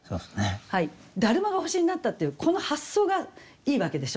達磨が星になったっていうこの発想がいいわけでしょ。